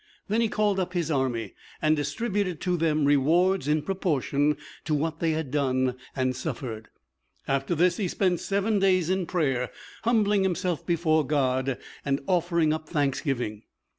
Then he called up his army, and distributed to them rewards in proportion to what they had done and suffered. After this he spent seven days in prayer, humbling himself before God, and offering up thanksgiving.